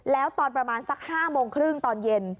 แล้วตอนประมาณสัก๕โมงครึ่งตอนเย็น